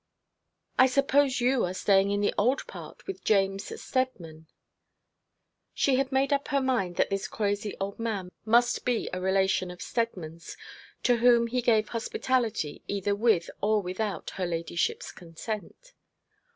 I suppose you are staying in the old part with James Steadman.' She had made up her mind that this crazy old man must be a relation of Steadman's to whom he gave hospitality either with or without her ladyship's consent.